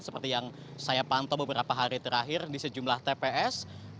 seperti yang saya pantau beberapa hari terakhir di sejumlah tps